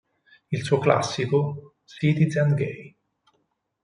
Il suo "classico" "Citizen gay.